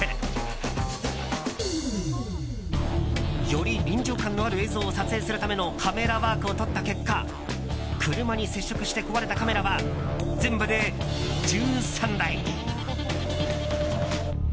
より臨場感のある映像を撮影するためのカメラワークをとった結果車に接触して壊れたカメラは全部で１３台。